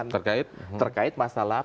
terkait terkait masalah